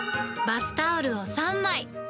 バスタオルを３枚。